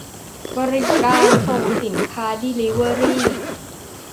- บริการส่งสินค้า เดลิเวอรี